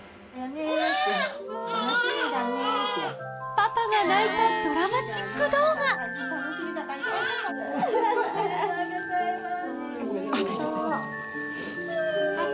パパが泣いたドラマチック動画・おめでとうございます